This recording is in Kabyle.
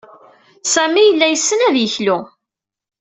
Sami yella yessen ad yeklu.